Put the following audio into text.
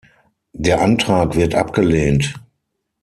Der Antrag wird abgelehnt.